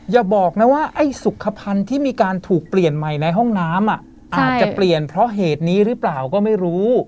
อย่าบอกนะว่าไอ้สุขภัณฑ์ที่มีการถูกเปลี่ยนใหม่ในห้องน้ำอาจจะเปลี่ยนเพราะเหตุนี้หรือเปล่าก็ไม่รู้